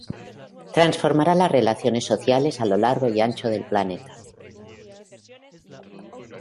Transformara las relaciones sociales a lo largo y ancho del planeta.